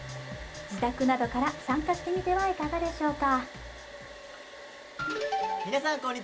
自宅などから参加してみてはいかがでしょうか？